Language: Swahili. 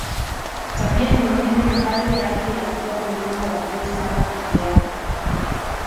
Tabia nyingine ni hali yake ya kuwa mlima wa juu sana peke yake